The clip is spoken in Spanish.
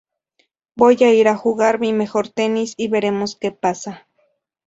Voy a ir a jugar mi mejor tenis y veremos que pasa"".